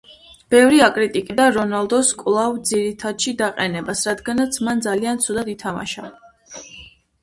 ბევრი აკრიტიკებდა რონალდოს კვლავ ძირითადში დაყენებას, რადგანაც მან ძალიან ცუდად ითამაშა.